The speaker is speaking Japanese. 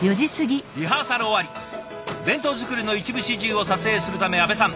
リハーサル終わり弁当作りの一部始終を撮影するため阿部さん